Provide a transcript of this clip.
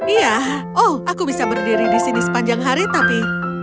iya oh aku bisa berdiri di sini sepanjang hari tapi